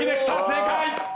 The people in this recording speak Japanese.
正解！